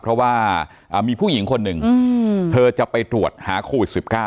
เพราะว่ามีผู้หญิงคนหนึ่งเธอจะไปตรวจหาโควิด๑๙